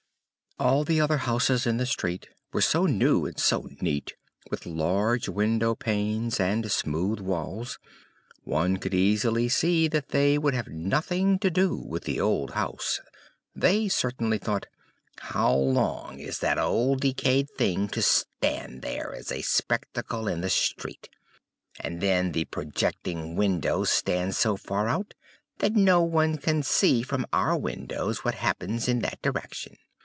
All the other houses in the street were so new and so neat, with large window panes and smooth walls, one could easily see that they would have nothing to do with the old house: they certainly thought, "How long is that old decayed thing to stand here as a spectacle in the street? And then the projecting windows stand so far out, that no one can see from our windows what happens in that direction!